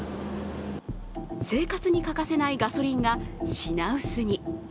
生活に欠かせないガソリンが品薄に。